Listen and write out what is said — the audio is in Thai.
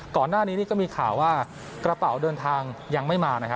ก่อนหน้านี้ก็มีข่าวว่ากระเป๋าเดินทางยังไม่มา